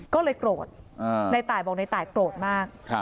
ก็เลยโกรธในตายบอกในตายโกรธมาก